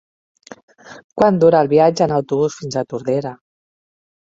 Quant dura el viatge en autobús fins a Tordera?